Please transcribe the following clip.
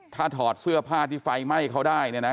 ถ้าถอดเสื้อผ้าที่ไฟไหม้เขาได้เนี่ยนะ